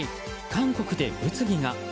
韓国で物議が。